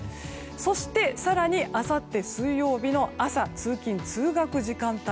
そして、更にあさって水曜日の朝、通勤・通学時間帯。